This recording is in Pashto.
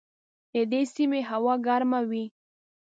د دې سیمې هوا ګرمه وي.